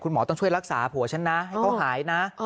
หมอต้องช่วยรักษาผัวฉันนะให้เขาหายนะ